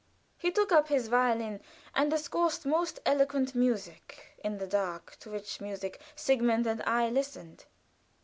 He took up his violin and discoursed most eloquent music, in the dark, to which music Sigmund and I listened.